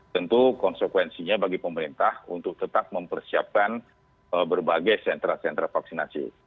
tentu konsekuensinya bagi pemerintah untuk tetap mempersiapkan berbagai sentra sentra vaksinasi